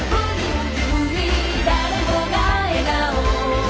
「誰もが笑顔」